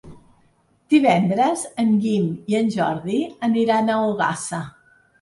Divendres en Guim i en Jordi aniran a Ogassa.